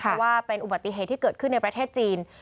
เพราะว่าเป็นอุบัติเหตุที่เกิดขึ้นในประเทศจีน